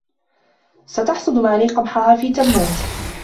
ستحصد ماري قمحها في تموز.